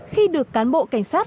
khi được cán bộ cảnh sát